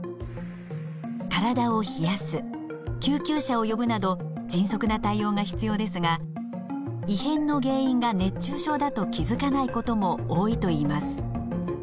体を冷やす救急車を呼ぶなど迅速な対応が必要ですが異変の原因が熱中症だと気づかないことも多いといいます。